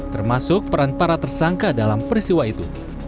termasuk peran para tersangka dalam peristiwa itu